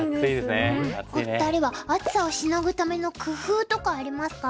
お二人は暑さをしのぐための工夫とかありますか？